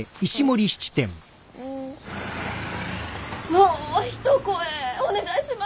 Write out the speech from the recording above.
・もう一声お願いします。